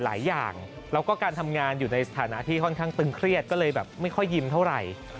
หลายอย่างแล้วก็การทำงานอยู่ในสถานะที่ค่อนข้างตึงเครียดก็เลยแบบไม่ค่อยยิ้มเท่าไหร่